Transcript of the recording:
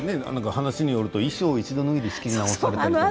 話によると衣装を一度脱いで仕切り直されたりとか。